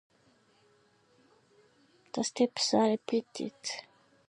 The steps are repeated.